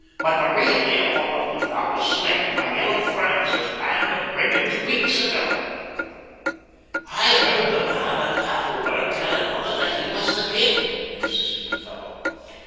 But the real Leopold of Lutha was slain by Yellow Franz's band of brigands weeks ago." "I heard the man at Tafelberg tell another that he was the king," insisted the fellow.